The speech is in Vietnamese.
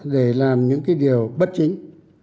để làm những điều bất chính